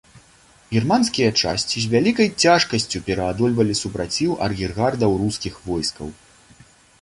Германскія часці з вялікай цяжкасцю пераадольвалі супраціў ар'ергардаў рускіх войскаў.